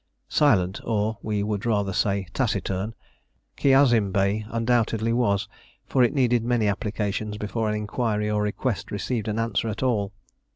Silent, or, we would rather say, taciturn, Kiazim Bey undoubtedly was, for it needed many applications before an inquiry or request received an answer at all.